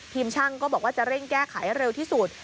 ช่างก็บอกว่าจะเร่งแก้ไขให้เร็วที่สุด